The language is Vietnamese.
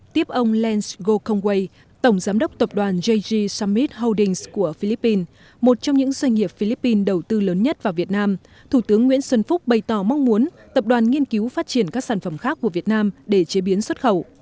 tiếp ông lance gokongwei tổng giám đốc tập đoàn jg summit holdings của philippines một trong những doanh nghiệp philippines đầu tư lớn nhất vào việt nam thủ tướng nguyễn xuân phúc bày tỏ mong muốn tập đoàn nghiên cứu phát triển các sản phẩm khác của việt nam để chế biến xuất khẩu